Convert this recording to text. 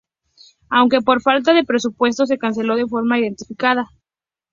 Aunque por falta de presupuesto se canceló de forma indefinida.